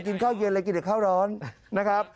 คุณผู้ชมเอ็นดูท่านอ่ะ